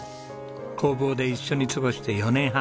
工房で一緒に過ごして４年半。